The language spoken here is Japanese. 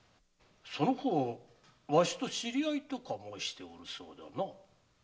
その方わしと知り合いとか申しておるそうだな？